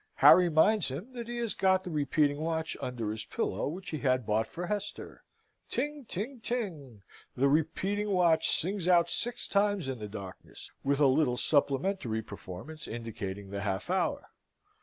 Harry minds him that he has got the repeating watch under his pillow which he had bought for Hester. Ting, ting, ting! the repeating watch sings out six times in the darkness, with a little supplementary performance indicating the half hour.